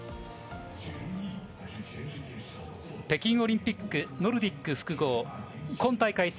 北京オリンピックノルディック複合今大会